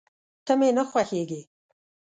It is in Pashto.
ته مي نه خوښېږې !